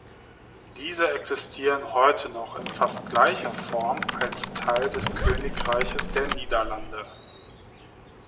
Diese existieren heute noch in fast gleicher Form als Teil des Königreiches der Niederlande.